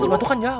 cibatu kan jauh